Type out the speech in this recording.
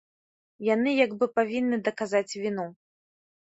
Яны як бы павінны даказаць віну.